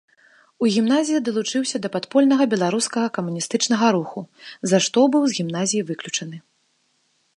У гімназіі далучыўся да падпольнага беларускага камуністычнага руху, за што быў з гімназіі выключаны.